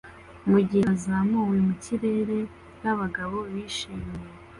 mugihe bazamuwe mukirere nabagabo bishimye